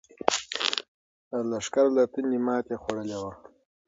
لښکر له تندې ماتې خوړلې وه.